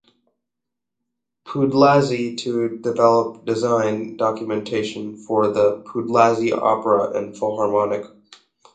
Podlasie to develop design documentation for the Podlasie Opera and Philharmonic.